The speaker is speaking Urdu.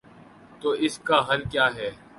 تو اس کا حل کیا ہے؟